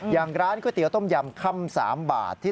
อย่างร้านก๋วยเตี๋ยต้มยำค่ำ๓บาท